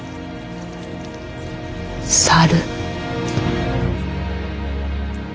猿。